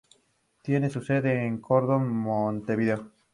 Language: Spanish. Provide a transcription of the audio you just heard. Tiene su sede en el Cordón, Montevideo.